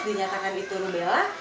dinyatakan itu rubella